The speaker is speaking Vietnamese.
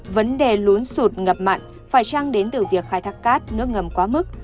vấn đề lún sụt ngập mặn phải trăng đến từ việc khai thác cát nước ngầm quá mức